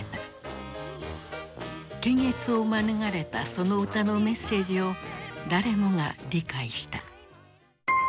検閲を免れたその歌のメッセージを誰もが理解した。